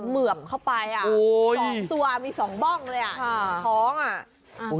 เหมือบเข้าไป๒ตัวมี๒บ้องเลยอ่ะท้องอ่ะ